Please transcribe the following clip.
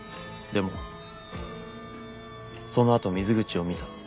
でもそのあと水口を見た。